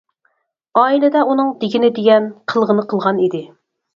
ئائىلىدە ئۇنىڭ دېگىنى دېگەن، قىلغىنى قىلغان ئىدى.